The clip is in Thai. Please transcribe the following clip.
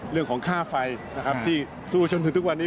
เรื่องของค่าไฟนะครับที่สู้จนถึงทุกวันนี้